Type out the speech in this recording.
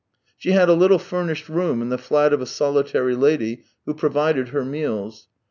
She had a little furnished room in the flat of a solitary lady who provided her meals.